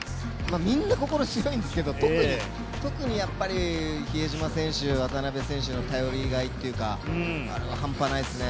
みんな心強いんですけれども、特に比江島選手、渡邊選手、頼りがいというか、半端ないですね。